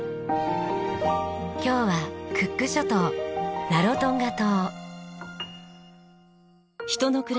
今日はクック諸島ラロトンガ島。